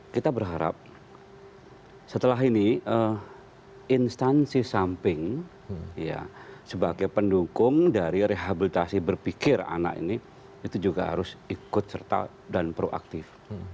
kita berharap setelah ini instansi samping sebagai pendukung dari rehabilitasi berpikir anak ini itu juga harus ikut serta dan proaktif